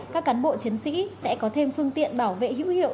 các cán bộ chiến sĩ sẽ có thêm phương tiện bảo vệ hữu hiệu